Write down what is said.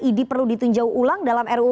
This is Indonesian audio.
idi perlu ditinjau ulang dalam ruu